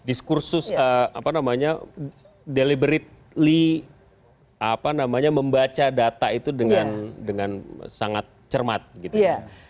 diskursus apa namanya deliberity membaca data itu dengan sangat cermat gitu ya